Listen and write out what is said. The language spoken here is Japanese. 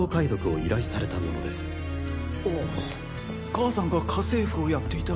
母さんが家政婦をやっていた。